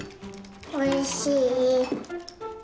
おいしい？